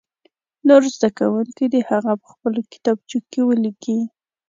نور زده کوونکي دې هغه په خپلو کتابچو کې ولیکي.